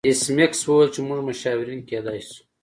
ایس میکس وویل چې موږ مشاورین کیدای شو